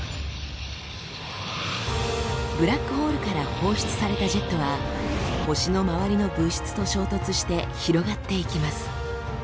ブラックホールから放出されたジェットは星の周りの物質と衝突して広がっていきます。